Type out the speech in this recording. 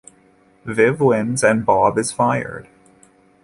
Viv wins and Bob is fired.